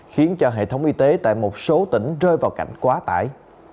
khiến cho hệ thống y tế tại một số tỉnh rơi vào cảnh quá tải